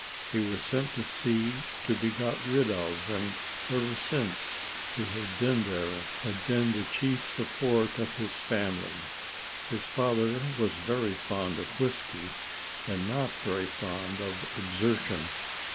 He was sent to sea to be got rid of, and ever since he had been there had been the chief support of his family: his father was very fond of whisky, and not very fond of exertion.